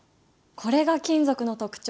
これが金属の特徴